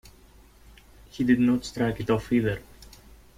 He did not strike it off, either.